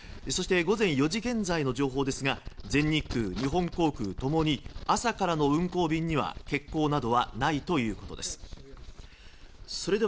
そして午前４時現在の情報ですが全日空、日本航空共に朝からの運航便に欠航などはないということです。